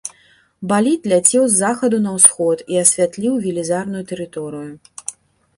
Балід ляцеў з захаду на ўсход і асвятліў велізарную тэрыторыю.